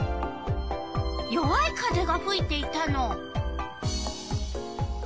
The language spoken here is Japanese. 弱い風がふいていたの。